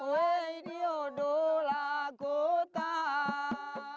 dua orang seniman sakeco bersenandung dan berpikir